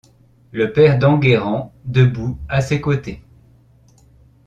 Le père d’Enguerrand, debout à ses côtés.